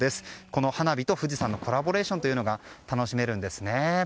この花火と富士山のコラボレーションというのが楽しめるんですね。